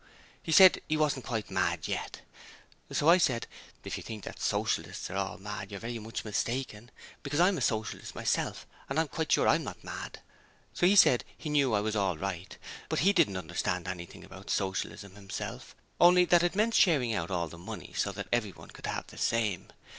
He said he wasn't quite mad yet. So I said, "If you think that Socialists are all mad, you're very much mistaken, because I'm a Socialist myself, and I'm quite sure I'M not mad." So he said he knew I was all right, but he didn't understand anything about Socialism himself only that it meant sharing out all the money so that everyone could have the same.